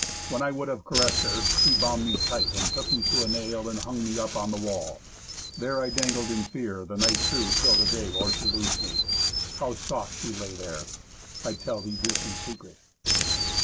When I would have caressed her, she bound me tight, and took me to a nail, and hung me up on the wall. There I dangled in fear the night through till the day, or she loosed me. How soft she lay there! I tell thee this in secret."